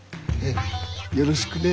よろしくね。